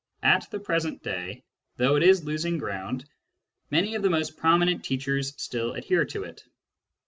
At the present day, though it is losing ground, many of the most prominent teachers still adhere to it.